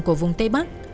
của vùng tây bắc